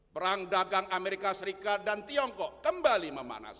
perang dagang amerika serikat dan tiongkok kembali memanas